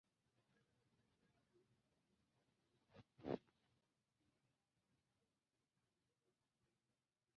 代表色为翠绿色。